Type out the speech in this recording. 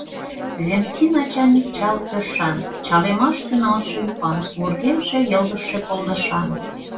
Земский начальник чал ӧршан, чалемаш тӱҥалше ӱпан, вургемже йылгыжше полдышан.